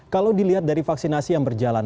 kalau dilihat dari vaksinasi yang berjalan